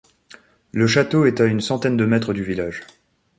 Le château est à une centaine de mètres du village.